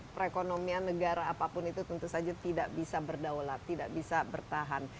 perekonomian negara apapun itu tentu saja tidak bisa berdaulat tidak bisa bertahan